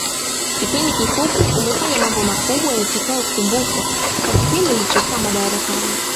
Kipindi kifupi umefanya mambo makubwa yatakayokumbukwa kwa kipindi ulichokaa madarakani